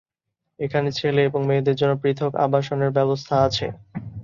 এখানে ছেলে এবং মেয়েদের জন্য পৃথক আবাসনের ব্যবস্থা আছে।